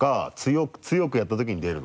強くやったときに出るのか？